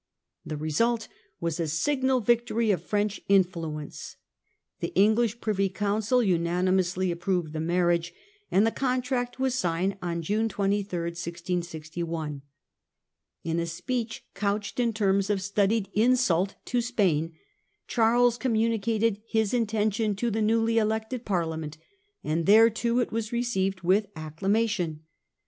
The result was a signal victory of French influence. The English Privy Council unanimously ap proved the marriage, and the contract was signed on June 23, 1661. In a speech couched in terms of studied insult to Spain Charles communicated his intention to the newly elected Parliament, and there too it was received with acclamation.